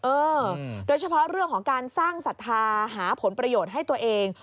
เออโดยเฉพาะเรื่องของการสร้างศรัทธาหาผลประโยชน์ให้ตัวเอง